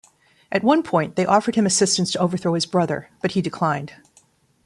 At one point, they offered him assistance to overthrow his brother, but he declined.